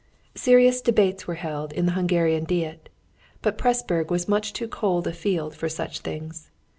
Serious debates were held in the Hungarian Diet. But Pressburg was much too cold a field for such things.